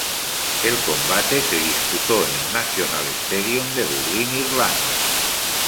El combate se disputó en el National Stadium, de Dublín, Irlanda.